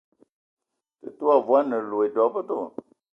Tətə wa vuan loe dɔbədɔ.